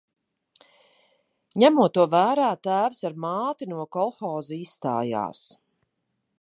Ņemot to vērā, tēvs ar māti no kolhoza izstājās.